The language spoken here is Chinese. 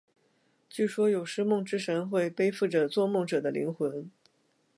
据说有时梦之神会背负着做梦者的灵魂。